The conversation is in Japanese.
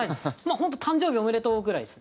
本当「誕生日おめでとう」ぐらいです。